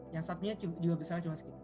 yang satunya juga besar cuma segitu